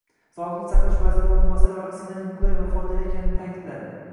Sog‘liqni saqlash vaziri o‘rinbosari vaksinaning qulay va foydali ekanini ta’kidladi